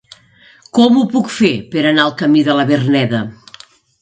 Com ho puc fer per anar al camí de la Verneda?